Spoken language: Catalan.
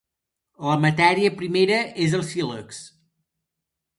La matèria primera és el sílex.